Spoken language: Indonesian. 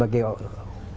bagi orang indonesia